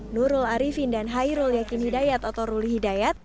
nurul arifin dan hairul yakin hidayat atau ruli hidayat